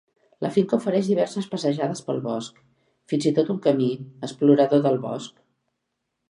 La finca ofereix diverses passejades pel bosc, fins i tot un camí "Explorador del bosc".